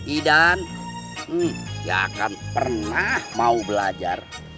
idan gak akan pernah mau belajar